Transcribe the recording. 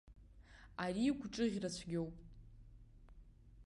Ари гәҿыӷьрацәгьоуп!